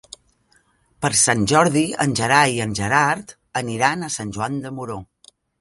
Per Sant Jordi en Gerai i en Gerard aniran a Sant Joan de Moró.